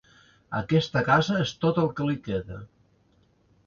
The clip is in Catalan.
Aquesta casa és tot el que li queda.